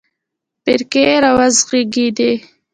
فرقې راوزېږېدې.